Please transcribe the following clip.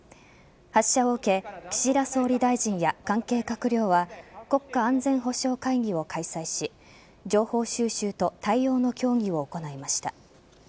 発射を受け岸田総理大臣や関係閣僚は国家安全保障会議を開催し情報収集と対応の協議を行いました。